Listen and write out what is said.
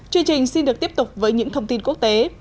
chương trình xin được tiếp tục với những thông tin quốc tế